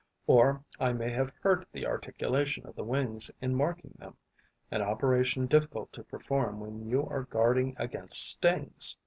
Or I may have hurt the articulation of the wings in marking them, an operation difficult to perform when you are guarding against stings.